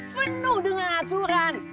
penuh dengan aturan